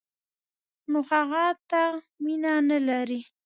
نو هغه ته مینه نه لري.